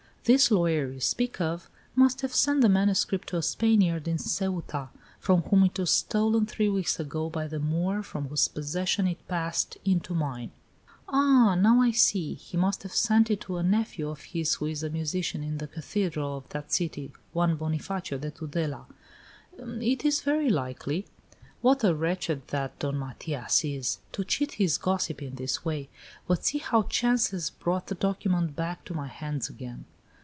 This lawyer you speak of must have sent the manuscript to a Spaniard in Ceuta, from whom it was stolen three weeks ago by the Moor from whose possession it passed into mine." "Ah! now I see. He must have sent it to a nephew of his who is a musician in the cathedral of that city one Bonafacio de Tudela." "It is very likely." "What a wretch that Don Matias is! To cheat his gossip in this way! But see how chance has brought the document back to my hands again!"